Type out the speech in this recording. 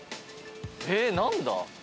えっ何だ？